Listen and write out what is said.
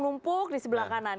numpuk di sebelah kanan